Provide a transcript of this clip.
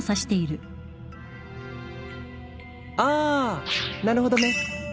あなるほどね。